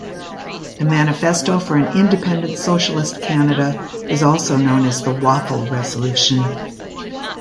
The Manifesto for an Independent Socialist Canada is also known as the Waffle Resolution.